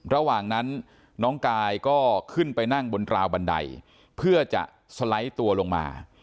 ระหว่างนั้นน้องกายก็ขึ้นไปนั่งบนราวบันไดเพื่อจะสไลด์ตัวลงมา